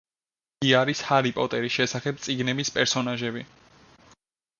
იგი არის ჰარი პოტერის შესახებ წიგნების პერსონაჟები.